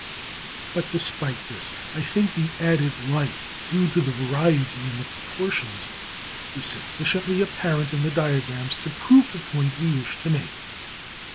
But despite this, I think the added life due to the variety in the proportions is sufficiently apparent in the diagrams to prove the point we wish to make.